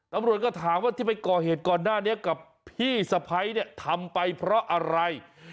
ตำรวจก็ถามว่าที่ไปก่อเหตุก่อนหน้านี้กับพี่สะพ้ายเนี่ยทำไปเพราะอะไร